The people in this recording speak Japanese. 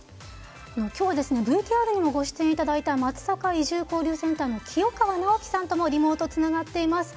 今日はＶＴＲにもご出演いただいたまつさか移住交流センターの清川直樹さんともリモートつながっています。